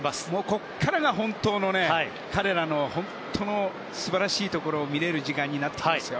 ここからが彼らの本当の素晴らしいところを見られる時間になってきますよ。